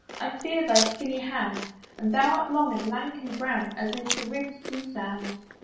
"I fear thy skinny hand; "And thou art long and lank and brown "As is the ribb'd Sea sand.